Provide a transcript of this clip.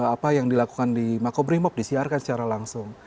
apa yang dilakukan di makobrimob disiarkan secara langsung